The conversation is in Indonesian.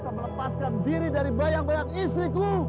agar aku bisa melepaskan diri dari bayang bayang istriku